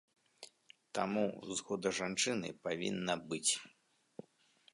Таму, згода жанчыны павінна быць.